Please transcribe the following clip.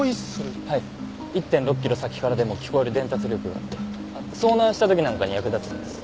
１．６キロ先からでも聞こえる伝達力があって遭難した時なんかに役立つんです。